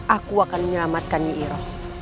aku akan menyelamatkan nyi iroh